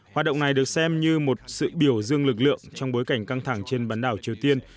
hoạt động này được xem như một sự biểu dương lực lượng trong bối cảnh căng thẳng trên bán đảo triều tiên